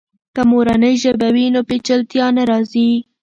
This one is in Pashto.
که مورنۍ ژبه وي، نو پیچلتیا نه راځي.